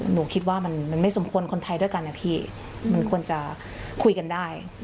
หนูคิดว่ามันไม่สมควรคนไทยด้วยกันนะพี่มันควรจะคุยกันได้